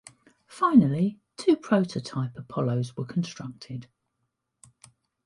Finally, two prototype Apollos were constructed.